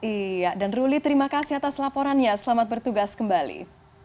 iya dan ruli terima kasih atas laporannya selamat bertugas kembali